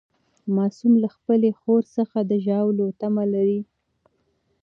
معصوم له خپلې خور څخه د ژاولو تمه لري.